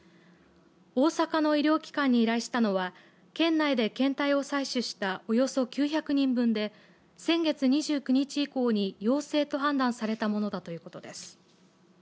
大阪の医療機関に依頼したのは県内で検体を採取したおよそ９００人分で先月２９日以降に陽性と判断されたものだということです。